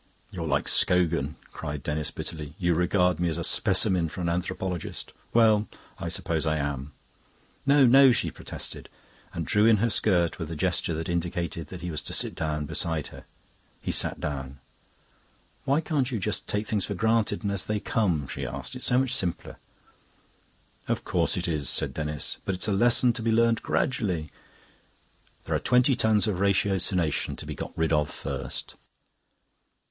"You're like Scogan," cried Denis bitterly. "You regard me as a specimen for an anthropologist. Well, I suppose I am." "No, no," she protested, and drew in her skirt with a gesture that indicated that he was to sit down beside her. He sat down. "Why can't you just take things for granted and as they come?" she asked. "It's so much simpler." "Of course it is," said Denis. "But it's a lesson to be learnt gradually. There are the twenty tons of ratiocination to be got rid of first."